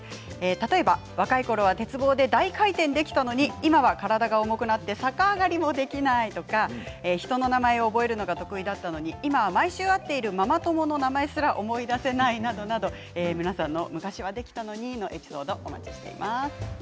例えば若いころは鉄棒で大回転できたのに今は体が重くなって逆上がりもできないとか人の名前を覚えるのが得意だったのに今は毎週会ってるママ友の名前すら思い出せないなど皆さんの昔はできたのにのエピソードをお待ちしています。